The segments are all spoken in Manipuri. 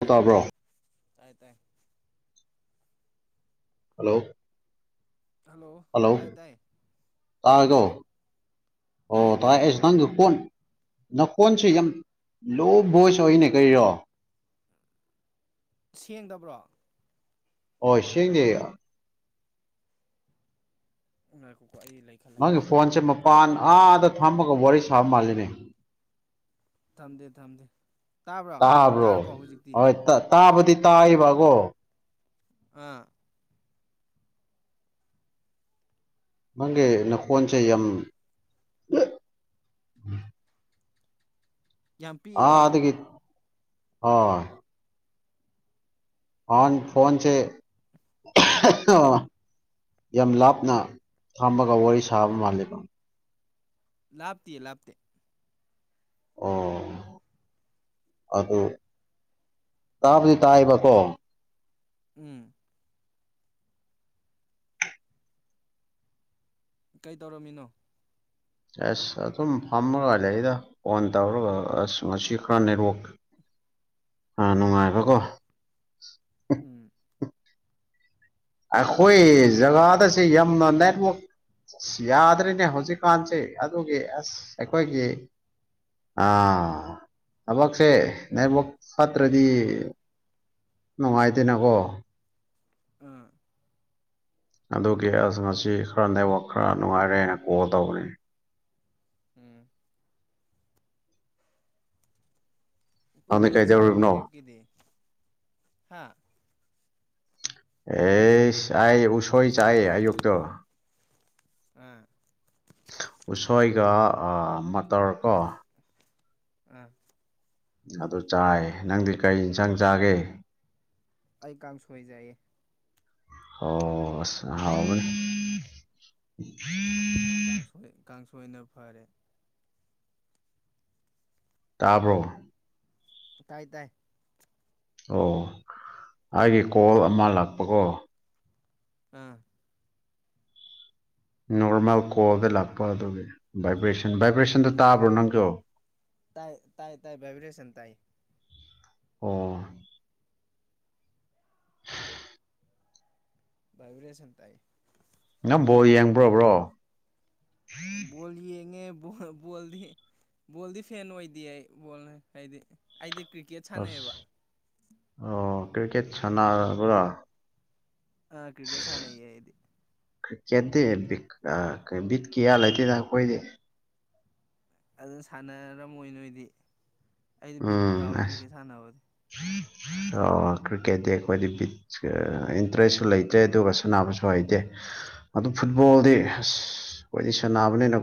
ꯍꯜꯂꯣ ꯇꯥꯕ꯭ꯔꯣ ꯇꯥꯏ ꯇꯥꯏ ꯍꯜꯂꯣ ꯍꯜꯂꯣ ꯇꯥꯏ ꯇꯥꯏ ꯇꯥꯔꯦꯀꯣ ꯍꯂꯣ ꯑꯣ ꯇꯥꯏ ꯑꯩꯁꯨ ꯅꯪꯒꯗꯣ ꯀꯣꯟ ꯅꯈꯣꯟꯁꯤ ꯌꯥꯝ ꯂꯣ ꯚꯣꯏꯁ ꯑꯣꯏꯅꯦ ꯀꯔꯤꯔꯣ ꯁꯦꯡꯗꯕ꯭ꯔꯣ ꯑꯣ ꯁꯦꯡꯗꯦ ꯉꯥꯏꯈꯣ ꯅꯪꯒꯤ ꯐꯣꯟꯁꯦ ꯃꯄꯥꯟ ꯑꯥꯗ ꯐꯝꯃꯒ ꯋꯥꯔꯤ ꯁꯥꯕ ꯃꯥꯜꯂꯤꯅꯦ ꯊꯝꯗꯦ ꯊꯝꯗꯦ ꯇꯥꯕ꯭ꯔꯣ ꯇꯥꯔꯕꯣ ꯍꯧꯖꯤꯛꯇꯤ ꯍꯣꯏ ꯇꯥꯕꯗꯤ ꯇꯥꯏꯌꯦꯕꯀꯣ ꯑꯥ ꯅꯪꯒꯤ ꯅꯈꯣꯟꯁꯦ ꯌꯥꯝ ꯌꯥꯝ ꯄꯤꯛꯏꯔꯕ ꯑ ꯑꯟ ꯐꯣꯟꯁꯦ ꯑ ꯌꯥꯝ ꯂꯥꯞꯅ ꯊꯝꯃꯒ ꯋꯥꯔꯤ ꯁꯥꯕ ꯃꯥꯜꯂꯤꯕ ꯂꯥꯞꯇꯤꯌꯦ ꯂꯥꯞꯇꯦ ꯑꯣ ꯑꯗꯨ ꯇꯥꯕꯗꯤ ꯇꯥꯏꯕ ꯀꯣ ꯎꯝ ꯀꯩ ꯇꯧꯔꯝꯃꯤꯅꯣ ꯑꯁ ꯑꯗꯨꯝ ꯐꯝꯃꯒ ꯂꯩꯗ ꯐꯣꯟ ꯇꯧꯔꯒ ꯑꯁ ꯉꯁꯤ ꯈꯔ ꯅꯦꯠꯋꯔꯛ [inaudible] ꯑꯥ ꯅꯨꯡꯉꯥꯏꯕꯀꯣ ꯎꯝ ꯑꯩꯈꯣꯏ ꯖꯒꯥꯗꯁꯦ ꯌꯥꯝꯅ ꯅꯦꯠꯋꯥꯛ ꯑꯁ ꯌꯥꯗ꯭ꯔꯤꯅꯦ ꯍꯧꯖꯤꯛꯀꯥꯟꯁꯦ ꯑꯗꯨꯒꯤ ꯑꯁ ꯑꯩꯈꯣꯏꯒꯤ ꯑ ꯊꯕꯛꯁꯦ ꯅꯦꯠꯋꯥꯛ ꯐꯠꯇ꯭ꯔꯗꯤ ꯎꯝ ꯅꯨꯡꯉꯥꯏꯇꯦꯅꯀꯣ ꯑ ꯑꯗꯨꯒꯤ ꯑꯁ ꯃꯁꯤ ꯈꯔ ꯅꯩꯕ ꯈꯔ ꯅꯨꯡꯉꯥꯏꯔꯦꯅ ꯀꯣꯜ ꯇꯧꯕꯅꯤ ꯎꯝ ꯅꯪꯗꯤ ꯀꯩꯟꯖꯥꯡ ꯆꯥꯔꯒꯦ ꯀꯩꯗꯧꯔꯤꯕꯅꯣ ꯑꯌꯨꯛꯀꯤꯗꯤ ꯍꯥ ꯑꯦꯁ ꯑꯥꯏ ꯎꯁꯣꯏ ꯆꯥꯏ ꯑꯌꯨꯛꯇꯛꯇ ꯑ ꯎꯁꯣꯏꯒ ꯃꯇꯇꯔ ꯀꯣ ꯑ ꯑꯗꯨ ꯆꯥꯏ ꯅꯪꯗꯤ ꯀꯩ ꯏꯟꯁꯥꯡ ꯆꯥꯒꯦ ꯑꯩ ꯀꯥꯡ ꯁꯣꯏꯖꯩꯌꯦ ꯑꯣꯥꯎꯕ ꯀꯥꯡꯁꯣꯏ ꯀꯥꯡꯁꯣꯏꯅ ꯐꯔꯦ ꯇꯥꯕ꯭ꯔꯣ ꯇꯥꯏ ꯇꯥꯏ ꯑꯣ ꯑꯩꯒꯤ ꯀꯣꯜ ꯑꯃ ꯂꯥꯛꯄꯀꯣ ꯑꯥ ꯅꯣꯔꯃꯦꯜ ꯀꯣꯜꯗ ꯂꯥꯛꯄ ꯑꯗꯨꯒꯤ ꯚꯥꯏꯕ꯭ꯔꯦꯁꯟ ꯚꯥꯏꯕ꯭ꯔꯦꯁꯟꯗꯣ ꯇꯥꯕ꯭ꯔꯣ ꯅꯪꯒꯤꯣ ꯇꯥꯏ ꯇꯥꯏ ꯇꯥꯏ ꯥꯏꯕ꯭ꯔꯦꯁꯟ ꯇꯥꯏ ꯑꯣ ꯥꯏꯕ꯭ꯔꯦꯁꯟ ꯇꯥꯏ ꯅꯝꯕꯣ ꯌꯦꯡꯕ꯭ꯔꯕ꯭ꯔꯣ ꯣꯜꯂꯤꯉꯦ ꯕꯣꯜꯗꯤ ꯕꯣꯜꯗꯤ ꯐꯦꯟ ꯑꯣꯏꯗꯦ ꯑꯩ ꯕꯣꯜ ꯍꯥꯏꯗꯤ ꯑꯩꯗꯤ ꯀ꯭ꯔꯤꯀꯦꯠ ꯑꯁ ꯁꯥꯟꯅꯩꯑꯕ ꯑꯣ ꯀ꯭ꯔꯤꯀꯦꯠ ꯁꯅꯔꯕ꯭ꯔꯣ ꯑꯥ ꯀ꯭ꯔꯤꯀꯦꯠ ꯁꯥꯟꯅꯩꯌꯦ ꯑꯩꯗꯤ ꯀ꯭ꯔꯤꯛꯀꯦꯠꯇꯤꯕꯤ ꯕꯤꯠ ꯀꯌꯥ ꯂꯩꯇꯦ ꯅ ꯑꯩꯈꯣꯏꯗꯤ ꯑꯗꯨꯅ ꯁꯥꯟꯅꯔꯝꯣꯏ ꯅꯣꯏꯗꯤ ꯑꯩꯗꯤ ꯕꯤꯠ ꯎꯝ ꯌꯥꯎꯋꯦ ꯑꯁ ꯀ꯭ꯔꯤꯛꯀꯦꯠ ꯁꯥꯟꯅꯕꯗꯤ ꯀ꯭ꯔꯤꯛꯀꯦꯠꯇꯤ ꯑꯩꯈꯣꯏꯗꯤ ꯏꯟꯇꯔꯦꯁꯁꯨ ꯂꯩꯇꯦ ꯑꯗꯨꯒ ꯁꯥꯟꯅꯕꯁꯨ ꯍꯩꯇꯦ ꯑꯗꯨ ꯐꯨꯠꯕꯣꯜꯗꯤ ꯎꯝ ꯑꯁ ꯑꯣꯏꯗꯤ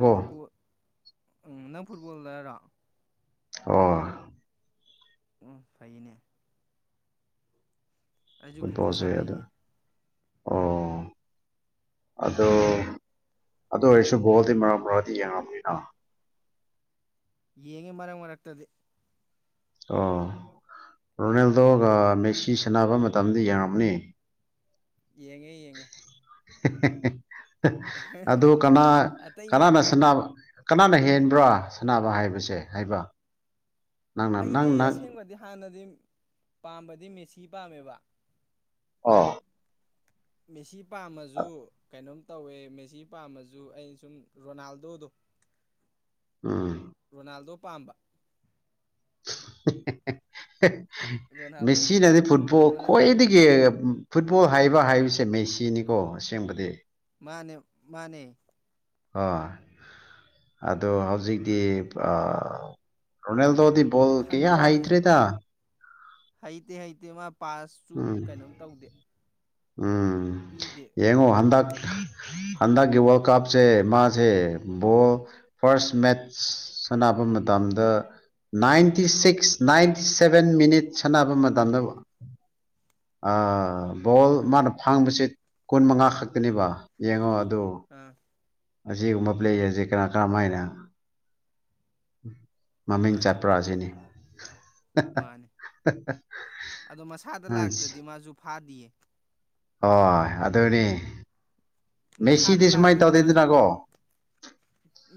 ꯐꯨꯠꯕꯣꯜ ꯎꯝ ꯅꯪ ꯐꯨꯠꯕꯣꯜꯗꯔꯥ ꯑꯣ ꯎ ꯐꯩꯅꯦ ꯑꯩꯁꯨ ꯀ꯭ꯔꯤꯛꯀꯦꯠ ꯐꯨꯠꯕꯣꯜꯁꯦ ꯑꯗꯨ ꯁꯥꯟꯅꯩꯌꯦ [inaudible] ꯑꯗ ꯑꯗꯣ ꯑꯣꯏꯔꯁꯨ ꯒꯣꯜꯗꯤ ꯃꯔꯛ ꯃꯔꯥꯡꯗꯤ ꯌꯦꯡꯉꯝꯅꯤꯅ ꯌꯦꯡꯉꯤ ꯃꯔꯛ ꯃꯔꯛꯇꯗꯤ ꯑꯣ ꯔꯣꯅꯦꯜꯗꯣꯒ ꯃꯦꯛꯁꯤ ꯁꯥꯟꯅꯕ ꯃꯇꯝꯗ ꯌꯦꯡꯉꯝꯅꯤ ꯌꯦꯉ ꯌꯦꯡꯉꯦ ꯑꯗꯨ ꯀꯅꯥ ꯑꯇꯩ ꯌꯦꯡ ꯀꯅꯥꯅ ꯁꯤꯅꯥ ꯀꯅꯥꯅ ꯍꯦꯟꯕ꯭ꯔꯥ ꯁꯥꯟꯅꯕ ꯍꯥꯏꯕꯁꯦ ꯍꯥꯏꯕ ꯅꯪꯅ ꯅꯪ ꯑꯩꯗꯤ ꯅꯪ ꯑꯁꯦꯡꯕꯗꯤ ꯍꯥꯟꯅꯗꯤ ꯄꯥꯝꯕꯗꯤ ꯃꯦꯁꯤ ꯄꯥꯝꯃꯦꯕ ꯑꯥ ꯃꯦꯁꯤ ꯄꯥꯝꯃꯁꯨ ꯀꯩꯅꯣꯝ ꯇꯧꯋꯦ ꯃꯦꯁꯤ ꯄꯥꯝꯃꯁꯨ ꯑꯩꯅ ꯁꯨꯝ ꯔꯣꯅꯥꯜꯗꯣꯗꯣ ꯎꯝ ꯔꯣꯅꯥꯜꯗꯣ ꯄꯥꯝꯕ ꯔꯣꯅꯥꯜꯗꯣ ꯃꯦꯁꯤꯅꯗꯤ ꯐꯨꯠꯕꯣꯜ ꯔꯣꯅꯥ ꯈ꯭ꯋꯥꯏꯗꯒꯤ ꯐꯨꯠꯕꯣꯜ ꯍꯥꯏꯕ ꯍꯥꯏꯕꯁꯦ ꯃꯦꯁꯤꯅꯤꯀꯣ ꯑꯁꯦꯡꯕꯗꯤ ꯃꯥꯅꯦ ꯃꯥꯅꯦ ꯑ ꯑꯗꯣ ꯍꯧꯖꯤꯛꯇꯤꯣꯜ ꯗꯤꯕꯣꯜ ꯀ ꯍꯅꯨꯔꯥ ꯍꯥꯏꯇ꯭ꯔꯦꯗ ꯍꯩꯇꯦ ꯍꯩꯇꯦ ꯃꯥ ꯄꯥꯁꯁꯨ ꯎꯝ ꯀꯩꯅꯣꯝ ꯇꯧꯗꯦ ꯎꯝ ꯄꯤꯗꯦ ꯌꯦꯡꯉꯣ ꯍꯟꯗꯛ [unintelligible] [inaudible] ꯍꯟꯗꯛꯀꯤ ꯋꯥꯔꯜ ꯀꯞꯁꯦ ꯃꯥꯁꯦ ꯕꯣ ꯐꯥꯔꯁ ꯃꯦꯠꯆ ꯁꯅꯕ ꯇꯝꯗ ninety six ninety seven minute ꯁꯥꯟꯅꯕ ꯃꯇꯝꯗ ꯕꯣꯜ ꯃꯥꯅ ꯐꯥꯡꯕꯁꯤ ꯀꯨꯟ ꯃꯉꯥ ꯈꯛꯇꯅꯦꯕ ꯌꯦꯡꯉꯣ ꯗꯣ [inaudible] ꯑꯥ ꯑꯁꯤꯒꯨꯝꯕ ꯂꯩ ꯑꯁꯦ ꯀꯅꯥ ꯀꯔꯝꯃꯥꯏꯅ ꯃꯃꯤꯡ ꯃꯥꯅꯦ ꯆꯠꯄ꯭ꯔꯥ ꯑꯁꯤꯅꯤ ꯃꯥꯅꯦ ꯑꯗꯣ ꯃꯁꯥꯗ ꯑꯁ ꯂꯥꯛꯇ꯭ꯔꯗꯤ ꯃꯥꯁꯨ ꯐꯥꯗꯤꯌꯦ ꯍꯣꯏ ꯑꯗꯨ ꯑꯣꯏꯅꯦ ꯃꯁꯥꯗ ꯂꯥꯛꯇ꯭ꯔꯗꯤ ꯃꯥꯁꯨ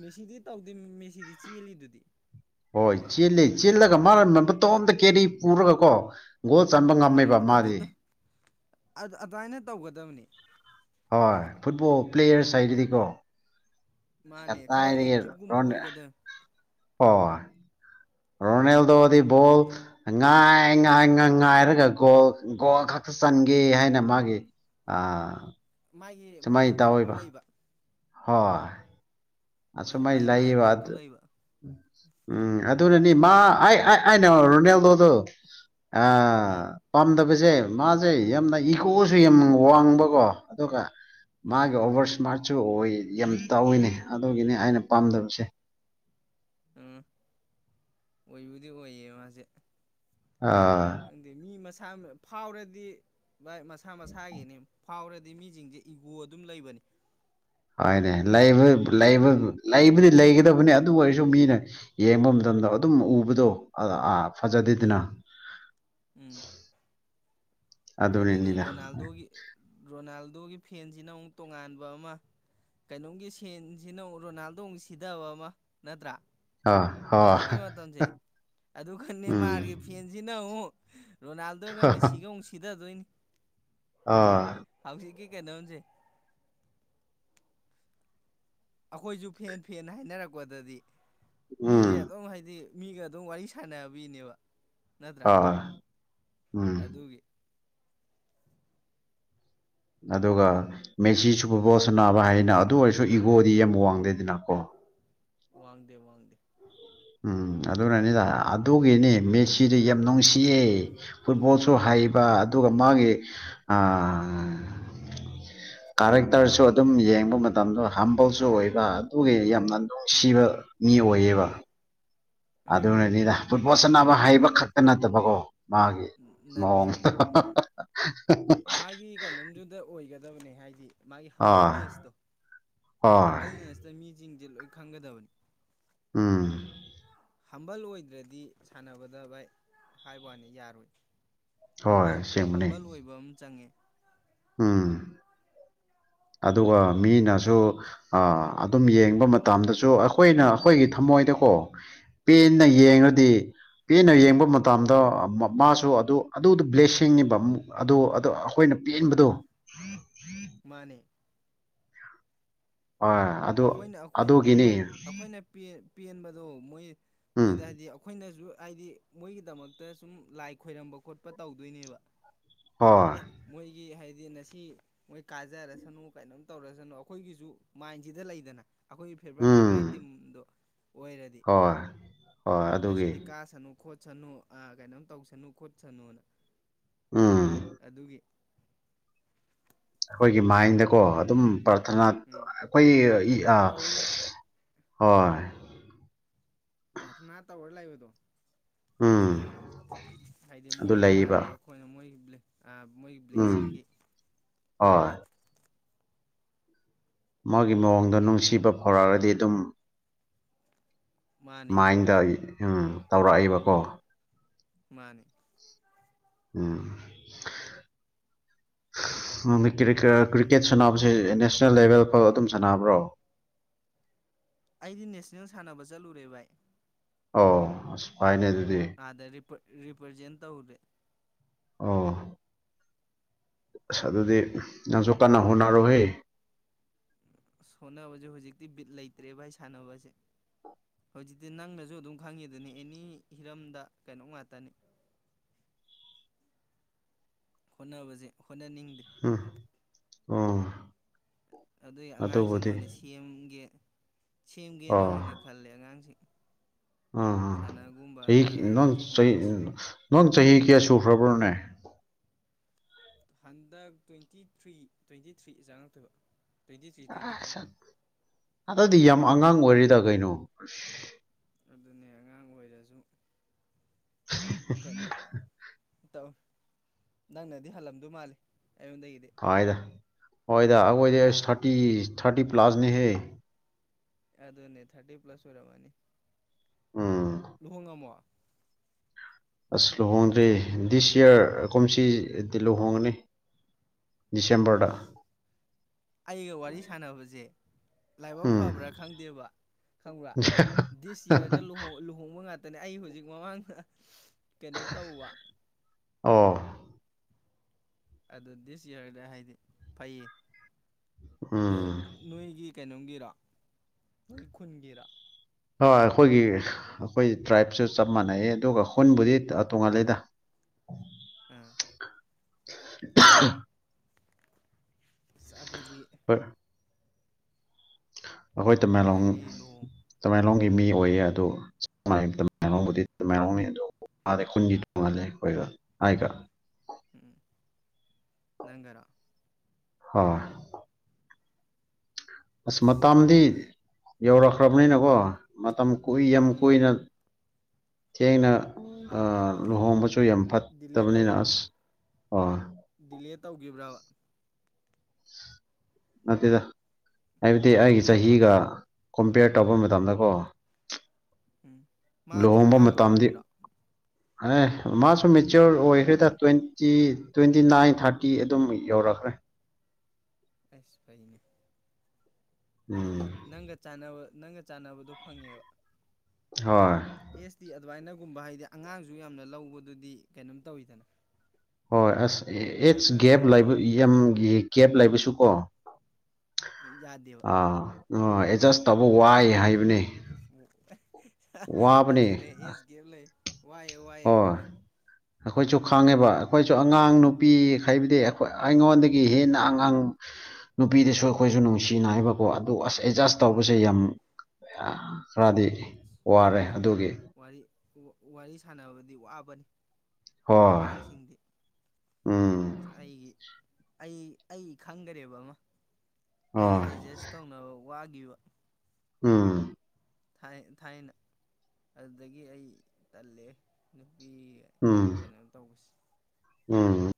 ꯃꯦꯁꯤꯗꯤ ꯇꯧꯗꯦ ꯃꯦꯁꯤꯗꯤ ꯆꯦꯜꯂꯤꯗꯨꯗꯤ ꯍꯣꯏ ꯆꯦꯜꯂꯤ ꯆꯦꯜꯂꯒ ꯃꯥꯅ ꯃꯇꯣꯝꯇ ꯀꯦꯔꯤ ꯄꯨꯔꯒꯀꯣ ꯒꯣꯜ ꯆꯟꯕ ꯉꯝꯃꯦꯕ ꯑꯪ ꯃꯥꯗꯤ ꯑꯗꯨꯗ ꯑꯗꯨꯃꯥꯏꯅ ꯇꯧꯒꯗꯕꯅꯤ ꯍꯣꯏ ꯐꯨꯠꯕꯣꯜ ꯄ꯭ꯂꯦꯌꯔꯁ ꯍꯥꯏꯗꯨꯗꯤꯀꯣ ꯃꯥꯅꯦ ꯈꯔ ꯑꯦꯛꯇꯤꯚꯒꯨꯝꯕ ꯑꯣꯏꯒꯗ ꯍ [unintelligible] [inaudible] [unintelligible] [inaudible] ꯅꯦꯜꯗꯣꯗꯤ ꯕꯣꯜ ꯉꯥꯏ ꯉꯥꯏ ꯉ ꯉꯥꯏꯔꯒ ꯒꯣꯜ ꯒꯣꯜ ꯈꯛꯇ ꯆꯟꯒꯦ ꯑꯦ ꯍꯥꯏꯅ ꯃꯥꯒꯤ ꯑ ꯃꯥꯒꯤ ꯃꯥꯏꯟꯗ ꯑꯗꯨ ꯂꯩꯕ ꯍꯣꯏ ꯑ ꯁ ꯃꯥꯏ ꯂꯩ ꯋꯥ ꯑꯗꯨ ꯎꯝ ꯑꯗꯨꯅꯅꯤ ꯃꯥ ꯑꯩ ꯑꯅꯦ ꯔꯣꯅꯥꯜꯗꯣꯗꯣ ꯎꯝ ꯄꯥꯝꯗꯕ ꯁꯦ ꯃꯥꯁꯦ ꯌꯥꯝꯅ ꯎꯝ ꯏꯀꯣꯁꯨ ꯌꯥꯝ ꯋꯥꯡꯕꯀꯣ ꯑꯗꯨꯒ ꯃꯥꯒꯤ ꯎꯝ ꯑꯣꯚꯔꯁ ꯃꯥꯁꯨ ꯌꯥꯝ ꯇꯧꯋꯤꯅꯦ ꯑꯗꯨꯒꯤꯅꯤ ꯑꯩꯅ ꯄꯥꯝꯗꯕꯁꯦ ꯎꯝ ꯑꯣꯏꯕꯨꯗꯤ ꯑꯣꯏꯌꯦ ꯃꯥꯁꯦ ꯑꯥ ꯈꯪꯗꯦ ꯃꯤ ꯃꯁꯥ ꯐꯥꯎꯔꯗꯤ ꯚꯥꯏ ꯃꯁꯥ ꯃꯁꯥꯒꯤꯅꯤ ꯐꯥꯎꯔꯗꯤ ꯑ ꯃꯤꯁꯤꯡꯁꯦ ꯏꯒꯣ ꯑꯗꯨꯝ ꯂꯩꯕꯅꯤ ꯍꯥꯏꯅꯦ ꯂꯩꯕꯗꯤ ꯂꯩꯒꯗꯕꯅꯤ ꯑꯗꯨ ꯑꯣꯏꯔꯁꯨ ꯃꯤꯅ ꯌꯦꯡꯕ ꯑꯃꯗ ꯃꯇꯝꯗꯣ ꯑꯗꯨꯝ ꯎꯕꯗꯣꯥ ꯐꯖꯥꯗꯤꯗꯅ ꯎꯝ ꯑꯗꯨꯅꯦ ꯔꯣꯅꯥꯜꯗꯣꯒꯤ ꯔꯣꯅꯥꯜꯗꯣꯒꯤ ꯐꯦꯟꯁꯤꯅ ꯑꯃꯨꯛ ꯇꯣꯉꯥꯟꯕ ꯑꯃ ꯀꯩꯅꯣꯝꯒꯤ ꯁꯦꯟꯁꯤꯅ ꯔꯣꯅꯥꯜꯗꯣ ꯁꯤꯊꯕ ꯑꯃ ꯅꯠꯇ꯭ꯔꯥ ꯑꯥ ꯍꯧꯖꯤꯛꯀꯤ ꯍꯣꯏ ꯃꯇꯝꯁꯦ ꯑꯗꯨ ꯈꯪ ꯎꯝ ꯅꯦꯃꯥꯔꯒꯤ ꯐꯦꯟꯁꯤꯅ ꯑꯃꯨꯛ ꯔꯣꯅꯥꯜꯗꯣꯒ ꯃꯦꯁꯤꯒ ꯑꯃꯨꯛ ꯁꯤꯗꯊꯗꯣꯏꯅꯤ ꯑꯥ ꯀꯅꯤ ꯍꯧꯁꯦ ꯑꯩꯈꯣꯏꯁꯨ ꯐꯦꯟ ꯐꯦꯟ ꯍꯥꯏꯅꯔꯛꯄꯗꯗꯤ ꯃꯤꯁꯦ ꯎꯝ ꯑꯗꯨꯝ ꯍꯥꯏꯗꯤ ꯃꯤꯒ ꯑꯗꯨꯝ ꯋꯥꯔꯤ ꯁꯥꯟꯅꯕꯤꯅꯦꯕ ꯅꯠꯇ꯭ꯔꯥ ꯑꯥ ꯎꯝ ꯑꯗꯨꯒꯤ ꯑꯗꯨꯒ ꯃꯦꯁꯤꯁꯨꯕꯨ ꯏꯒꯣ ꯁ ꯅꯥꯕ ꯍꯥꯏꯅ ꯑꯗꯨ ꯑꯣꯏꯔꯁꯨ ꯏꯒꯣꯗꯤ ꯌꯥꯝ ꯋꯥꯡꯗꯦꯗꯅꯀꯣ ꯋꯥꯗꯦ ꯋꯥꯗꯦ ꯎꯝ ꯑꯗꯨꯅꯅꯤꯗ ꯑꯗꯨꯒꯤꯅꯤ ꯃꯦꯁꯤꯗꯤ ꯌꯥꯝ ꯅꯨꯡꯁꯤꯌꯦ ꯐꯨꯠꯕꯣꯜꯁꯨ ꯍꯥꯏ ꯍꯩꯕ ꯎꯝ ꯑꯗꯨꯒ ꯃꯥꯒꯤ ꯀꯥꯔꯦꯛꯇꯔꯁꯨ ꯑꯗꯨꯝ ꯌꯦꯡꯕ ꯃꯇꯝꯗ ꯍꯝꯕꯜꯁꯨ ꯑꯣꯏ ꯑꯗꯨꯒꯤ ꯌꯥꯝꯅ ꯎꯝ ꯅꯨꯡꯁꯤꯕ ꯃꯤ ꯑꯣꯏꯌꯦꯕ ꯑꯥ ꯑꯗꯨꯅꯅꯤꯗ ꯐꯨꯠꯕꯣꯜ ꯆꯠꯅꯕ ꯍꯩꯕ ꯈꯛꯇ ꯅꯠꯇꯕꯀꯣ ꯃꯥꯒꯤ ꯅꯠꯇꯦ ꯃꯑꯣꯡ ꯎꯝ ꯃꯥꯒꯤ ꯀꯩꯅꯣꯝꯗꯨꯗ ꯑꯣꯏꯒꯗꯕꯅꯦ ꯍꯥꯏꯗꯤ ꯃꯥꯒꯤ ꯍꯣꯏ ꯍꯝꯕꯜꯅꯦꯁꯇꯣ ꯍꯣꯏ ꯍꯝꯕꯜꯅꯦꯁꯇ ꯃꯤ ꯁꯤꯡꯁꯦ ꯂꯣꯏ ꯈꯪꯒꯗꯕꯅꯤ ꯎꯝ ꯍꯝꯕꯜ ꯑꯣꯏꯗ꯭ꯔꯗꯤ ꯁꯥꯟꯅꯕꯗ ꯚꯥꯏ ꯍꯥꯏ ꯋꯥꯅꯤ ꯌꯥꯔꯣꯏ ꯍꯝꯕꯜ ꯍꯣꯏ ꯑꯁꯦꯡꯕꯅꯤ ꯍꯝꯕꯜ ꯑꯣꯏꯕ ꯑꯃ ꯆꯪꯉꯦ ꯎꯝ ꯑꯗꯨꯒ ꯃꯤꯅꯁꯨ ꯑ ꯑꯗꯨꯝ ꯌꯦꯡꯕ ꯃꯇꯝꯗꯁꯨ ꯑꯩꯈꯣꯏꯅ ꯑꯩꯈꯣꯏꯒꯤ ꯊꯃꯣꯏꯗꯀꯣ ꯄꯦꯟꯅ ꯎꯝ ꯌꯦꯡꯉꯗꯤ ꯄꯦꯅ ꯌꯦꯡꯕ ꯃꯇꯝꯗ ꯃꯥꯁꯨ ꯑꯗꯨ ꯑꯗꯨꯗ ꯕ꯭ꯂꯦꯁꯤꯡꯅꯤꯕ ꯑꯃꯨ ꯑꯗꯨ ꯑ ꯑꯩꯈꯣꯏꯅ ꯌꯦꯕꯗꯣ ꯃꯥꯅꯦ ꯑꯣꯏ ꯑꯗꯨ ꯑꯩꯈꯣꯏꯅ ꯑꯩꯈꯣꯏ ꯑꯗꯨꯒꯤꯅꯤ ꯑꯩꯈꯣꯏ ꯑꯩꯈꯣꯏꯅ ꯄꯦꯟꯕꯗꯣ ꯃꯣꯏ ꯎꯝ ꯃꯣꯏꯗ ꯍꯥꯏꯗꯤ ꯑꯩꯈꯣꯏꯅꯁꯨ ꯍꯥꯏꯗꯤ ꯃꯣꯏꯒꯤꯗꯃꯛꯇ ꯁꯨꯝ ꯂꯥꯏ ꯈꯣꯏꯔꯝꯕ ꯈꯣꯠꯄ ꯇꯧꯗꯣꯏꯅꯦꯕ ꯍꯣꯏ ꯑꯦ ꯃꯣꯏꯒꯤ ꯍꯥꯏꯗꯤ ꯍꯥꯏꯗꯤ ꯉꯁꯤ ꯃꯣꯏ ꯀꯥꯖꯔꯁꯅꯨ ꯀꯩꯅꯣꯝ ꯇꯧꯔꯁꯅꯨ ꯑꯩꯈꯣꯏꯒꯤꯁꯨ ꯃꯥꯏꯟꯁꯤꯗ ꯂꯩꯗꯅ ꯑꯩꯈꯣꯏꯒꯤ ꯐꯦꯕꯣꯔꯥꯏꯠ ꯎꯝ ꯐꯦꯚꯣꯔꯥꯏꯠ ꯇꯤꯝꯗꯣ ꯑꯣꯏꯔꯗꯤ ꯍꯣꯏ ꯍꯣꯏ ꯑꯗꯨꯒꯤ ꯉꯁꯤꯗꯤ ꯀ ꯁꯅꯨ ꯈꯣꯠ ꯈꯣꯠꯁꯅꯨ ꯀꯩꯅꯣꯝ ꯇꯧꯁꯅꯨ ꯈꯣꯠꯁꯅꯨꯅ ꯎꯝ ꯑꯗꯨꯒꯤ ꯑꯩꯈꯣꯏꯒꯤ ꯃꯥꯏꯟꯗꯀꯣ ꯑꯗꯨꯝ ꯄ꯭ꯔꯔꯊꯅꯥ ꯎꯝ ꯑꯩꯈꯣꯏ ꯑ ꯇꯧ ꯂꯩ ꯍꯣꯏ ꯄꯔꯅꯥ ꯇ ꯑꯣꯔꯂꯥꯏꯕꯗ ꯎꯝ ꯍꯥꯏꯗꯤ ꯑꯗꯨ ꯃꯣꯏꯒꯤ ꯂꯩꯌꯦꯕ ꯀꯥꯅꯕ ꯑꯩꯈꯣꯏꯅ ꯃꯣꯏ ꯃꯣꯏꯒꯤ ꯕ꯭ꯂꯦꯁꯤꯡꯒꯤ ꯑ ꯃꯥꯒꯤ ꯃꯑꯣꯡꯗꯣ ꯅꯨꯡꯁꯤꯕ ꯐꯧꯔꯥꯔꯗꯤ ꯑꯗꯨꯝ ꯃꯥꯅꯦ ꯃꯥꯏꯟꯗ ꯎꯝ ꯇꯧꯔꯛꯏꯕꯀꯣ ꯃꯥꯅꯦ ꯎꯝ [unintelligible] ꯀ꯭ꯔꯤꯀꯦꯠ ꯁꯥꯟꯅꯕꯁꯦ ꯅꯦꯁꯅꯦꯜ ꯂꯦꯚꯦꯜ ꯐꯥꯎ ꯑꯗꯨꯝ ꯁꯥꯟꯅꯕ꯭ꯔꯣ [unintelligible] ꯑꯩꯗꯤ ꯅꯦꯁꯅꯦꯜ ꯁꯥꯟꯅꯕ ꯆꯠꯂꯨꯔꯦ ꯚꯥꯏ ꯑꯣ ꯀꯥꯏꯅꯦ ꯑꯗꯨ ꯑꯥꯗꯔꯤꯄ꯭ꯔꯦꯖ ꯇꯧꯗꯦ ꯑꯣ ꯁ ꯑꯗꯨꯗꯤ ꯅꯁꯨ ꯀꯥꯟꯅ ꯍꯨꯅꯔꯣꯍꯦ ꯁꯣꯅꯕꯁꯦ ꯍꯧꯖꯤꯛꯇꯤ ꯕꯤꯠ ꯂꯩꯇ꯭ꯔꯦ ꯚꯥꯏ ꯁꯥꯟꯅꯕꯁꯦ ꯍꯧꯖꯤꯛꯇꯤ ꯅꯪꯅꯁꯨ ꯑꯗꯨꯝ ꯈꯪꯉꯤꯗꯅꯤ ꯑꯦꯅꯤ ꯍꯤꯔꯝꯗ ꯀꯩꯅꯣꯝ ꯉꯥꯛꯇꯅꯤ ꯍꯣꯠꯅꯕꯁꯦ ꯍꯣꯠꯅꯅꯤꯡꯗ꯭ꯔꯔꯤ ꯑ ꯑꯗꯨꯏ ꯑꯉꯥꯡꯁꯤꯡ ꯑꯣꯏꯅ ꯁꯦꯝꯒꯦ ꯁꯦꯝꯒꯦꯅꯅ ꯈꯜꯂꯦ ꯑꯉꯥꯡꯁꯤꯡ ꯑ ꯁꯥꯟꯅꯒꯨꯝꯕ ꯆꯍꯤ ꯑꯉꯥꯡ ꯅ ꯑꯉꯥꯡꯁꯤꯡ ꯑꯣꯏꯅ ꯁꯤ ꯅ ꯆꯍꯤꯍꯤ ꯀꯌꯥꯁꯨꯨꯈ꯭ꯔꯕꯔꯅꯦ ꯍꯟꯗꯛ ꯇ꯭ꯋꯦꯟꯇꯤ ꯊ꯭ꯔꯤ ꯇ꯭ꯋꯦꯟꯇꯤ ꯊ꯭ꯔꯤ ꯆꯥꯉꯛꯇꯣꯏꯕ ꯇ꯭ꯋꯦꯟꯇꯤ ꯊ꯭ꯔꯤ ꯇ꯭ꯋꯦꯟꯇꯤ ꯐꯣꯔ ꯑꯁ ꯑꯗꯨꯗꯤ ꯌꯥꯝ ꯑꯉꯥꯡ ꯑꯣꯏꯔꯤꯗ ꯀꯩꯅꯣ ꯑꯗꯨꯅꯦ ꯑꯉꯥꯡ ꯑꯣꯏꯔꯁꯨ ꯀꯩꯅꯩꯅꯣ ꯇ ꯅꯪꯅꯗꯤ ꯍꯜꯂꯝꯗꯣꯏ ꯃꯥꯜꯂꯤ ꯑꯩꯉꯣꯟꯗꯒꯤꯗꯤ ꯀꯗ ꯍꯣꯏꯗ ꯑꯩꯈꯣꯏꯗꯤ ꯍꯥ ꯊꯥꯔꯇꯤ ꯊꯥꯔꯇꯤ ꯄ꯭ꯂꯥꯁꯅꯦꯍꯦ ꯑꯗꯨꯅꯦ ꯊꯥꯔꯇꯤ ꯄ꯭ꯂꯁ ꯑꯣꯏꯔꯝꯃꯅꯤ ꯎꯝ ꯂꯨꯍꯣꯡꯉꯝꯃꯣ ꯑꯁ ꯂꯨꯍꯣꯡꯗ꯭ꯔꯦ ꯗꯤꯁ ꯏꯌꯥꯔ ꯀꯨꯝꯁꯤꯗꯤ ꯂꯨꯍꯣꯡꯒꯅꯤ ꯆꯦꯄꯔꯗ ꯑꯁ ꯑꯩꯒ ꯋꯥꯔꯤ ꯁꯥꯟꯅꯕꯁꯦ ꯂꯥꯏꯕꯛ ꯎꯝ ꯐꯕ꯭ꯔꯥ ꯈꯪꯗꯦꯕ ꯈꯪꯕ꯭ꯔꯥ ꯗꯤꯁ ꯏꯌꯥꯔꯗ ꯂꯨꯍꯣꯡꯕ ꯉꯥꯛꯇꯅꯦ ꯑꯩ ꯍꯧꯖꯤꯛ ꯃꯃꯥꯡꯗ ꯀꯩꯅꯣ ꯇꯧꯕ ꯑꯣ ꯑꯗꯨ ꯗꯤꯁ ꯏꯌꯥꯔꯗ ꯍꯥꯏꯗꯤ ꯐꯩꯌꯦ ꯅꯣꯏ ꯎꯝ ꯅꯣꯏꯒꯤ ꯀꯩꯅꯣꯝꯒꯤꯔ ꯅꯣꯏ ꯈꯨꯟꯒꯤꯔ ꯍꯣꯏ ꯑꯩꯈꯣꯏꯒꯤ ꯑꯩꯈꯣꯏ ꯇ꯭ꯔꯥꯏꯞꯁꯨ ꯆꯞ ꯃꯥꯟꯅꯩ ꯑꯗꯨꯒ ꯈꯨꯟꯕꯨꯗꯤ ꯇꯣꯡꯉꯜꯂꯤꯗ [inaudible] [unintelligible] ꯑꯗꯨꯗꯤ ꯍꯣꯏ ꯑꯩꯈꯣꯏ ꯇꯃꯦꯡꯂꯣꯡ ꯅꯨꯡꯉꯥꯏꯅꯤ ꯂꯨꯍꯣꯡ ꯇꯃꯦꯡꯂꯣꯡ ꯃꯤ ꯑꯣꯏꯌꯦ ꯑꯗꯨ [unintelligible] ꯃꯥꯗꯦ ꯈꯨꯨꯟꯗꯤ [unintelligible] ꯅꯒꯔ ꯍ ꯑꯁ ꯃꯇꯝꯗꯤ ꯌꯧꯔꯛꯈ꯭ꯔꯕꯅꯤꯅꯀꯣ ꯃꯇꯝ ꯀꯨꯏ ꯌꯥꯝ ꯎꯝ ꯀꯨꯏꯅ ꯊꯦꯡꯅ ꯂꯨꯍꯣꯡꯕꯁꯨ ꯌꯥꯝ ꯗꯤꯂꯦ ꯐꯠꯇꯕꯅꯤꯅ ꯇꯧ ꯑꯁ ꯑꯣ ꯗꯤꯂꯦ ꯇꯧꯈꯤꯕ꯭ꯔꯕ ꯅꯠꯇꯦꯗ ꯍꯥꯏꯕꯗꯤ ꯑꯩꯒꯤ ꯆꯍꯤꯒ ꯀꯝꯄꯤꯌꯔ ꯇꯧꯕ ꯃꯇꯝꯗꯀꯣ ꯎꯝ ꯃꯥꯗꯤ ꯂꯨꯍꯣꯡꯕ ꯑꯉꯥꯡꯔꯣ ꯃꯇꯝꯗꯤ ꯑꯍꯟꯔꯣ ꯑꯦ ꯃꯥꯁꯨ ꯃꯦꯆꯌꯣꯔ ꯑꯣꯏꯈ꯭ꯔꯦꯗ ꯇ꯭ꯋꯦꯟꯇꯤ ꯇ꯭ꯋꯦꯟꯇꯤ ꯅꯥꯏꯟ ꯊꯥꯔꯇꯤ ꯑꯗꯨꯝ ꯌꯧꯔꯛ [inaudible] ꯑꯁ ꯐꯩꯅꯦ ꯍꯥꯏꯗꯤ ꯎꯝ ꯅꯪꯒ ꯆꯥꯟꯅꯕ ꯅꯪꯒ ꯆꯥꯟꯅꯕꯗꯣ ꯐꯪꯉꯦꯕ ꯍ ꯌꯦꯁꯇꯤ ꯑꯗꯨꯃꯥꯏꯅꯒꯨꯝꯕ ꯍꯥꯏꯗꯤ ꯑꯉꯥꯡꯁꯨ ꯌꯥꯝꯅ ꯂꯧꯕꯗꯨꯗꯤ ꯀꯩꯅꯣꯝ ꯇꯧꯋꯤꯗꯅ ꯍꯣꯏ ꯑꯁ ꯏꯠꯁ ꯌꯥꯝꯅ ꯑꯉꯥꯡ ꯒꯦꯞꯕ ꯌꯥꯝ ꯒꯦꯞ ꯂꯩꯕꯁꯨ ꯀꯣ ꯌꯥꯗꯕ ꯑꯦꯗꯖꯁ ꯇꯧꯕ ꯋꯥꯏ ꯍꯥꯏꯕꯅꯦ ꯑꯗꯨꯅꯦ ꯑꯦꯖ ꯀꯦ ꯂꯩ ꯋꯥꯏꯑꯦ ꯋꯥꯏꯑꯦ ꯍꯣꯏ ꯑꯗꯨꯅꯦ ꯑꯩꯈꯣꯏꯁꯨ ꯈꯪꯉꯦꯕ ꯑꯩꯈꯣꯏꯁꯨ ꯑꯉꯥꯡ ꯅꯨꯄꯤ ꯑ ꯍꯥꯏꯕꯗꯤ ꯑꯩꯉꯣꯟꯗꯒꯤ ꯍꯦꯟꯅ ꯑꯉꯥꯡ ꯅꯨꯄꯤꯗꯨꯁꯨ ꯑꯩꯈꯣꯏꯁꯨ ꯅꯨꯡꯁꯤꯅꯕꯀꯣ ꯑꯗꯨ ꯑꯁ ꯑꯦꯗꯖꯁ ꯇꯧꯕꯁꯦ ꯌꯥꯝ ꯈꯔꯗꯤ ꯋꯥꯔꯦ ꯋꯥꯔꯤ ꯑꯗꯨꯒꯤ ꯋꯥꯔꯤ ꯋꯥꯔꯤ ꯁꯥꯟꯅꯕꯗꯤ ꯋꯥꯕꯅꯤ ꯍꯣꯏ ꯑꯉꯥꯡꯁꯤꯡꯗꯤ ꯎꯝ ꯑꯩꯒꯤ ꯑꯩ ꯑꯩ ꯈꯪꯗꯔꯦꯕ ꯑꯃ ꯑꯩꯒ ꯍꯣꯏ ꯑꯦꯗꯖꯁ ꯇꯧꯅꯕ ꯋꯥꯈꯤꯕ ꯑꯥ ꯊꯥꯏꯅ ꯑꯗꯨꯗꯒꯤ ꯑꯩ ꯇꯜꯂꯦ ꯄꯤ ꯎꯝ ꯀꯩꯅꯣꯝ ꯇꯧꯕꯁ ꯎꯝ